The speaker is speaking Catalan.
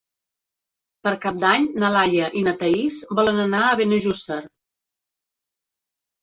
Per Cap d'Any na Laia i na Thaís volen anar a Benejússer.